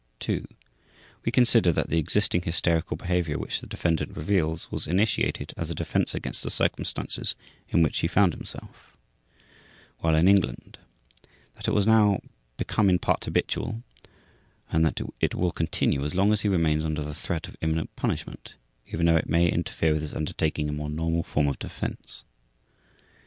(2) We consider that the existing hysterical behavior which the defendant reveals, was initiated as a defense against the circumstances in which he found himself, while in England; that it has now become in part habitual and that it will continue as long as he remains under the threat of imminent punishment, even though it may interfere with his undertaking a more normal form of defense.